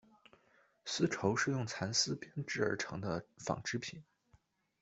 丝绸是用蚕丝编制而成的纺织品。